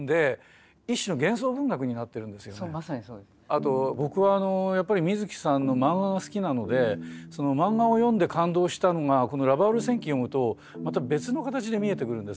あと僕はあのやっぱり水木さんの漫画が好きなので漫画を読んで感動したのがこの「ラバウル戦記」読むとまた別の形で見えてくるんですね。